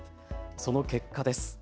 その結果です。